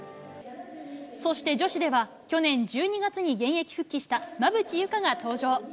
そして女子では、去年１２月に現役復帰した馬淵優佳が登場。